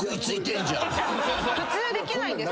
普通できないんですか？